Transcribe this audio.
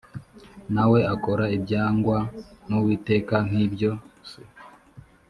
na we akora ibyangwa n uwiteka nk ibyo se